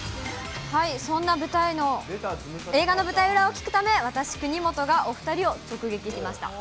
そんな映画の舞台裏を聞くため、私、国本がお２人を直撃してきました。